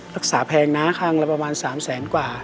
รักษาแพงนะคลังประมาณ๓แสนกว่า